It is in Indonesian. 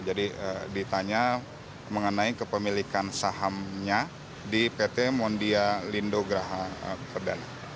jadi ditanya mengenai kepemilikan sahamnya di pt mondialindo graha perdana